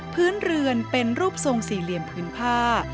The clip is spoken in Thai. พื้นเรือนเป็นรูปทรงสี่เหลี่ยมพื้นผ้า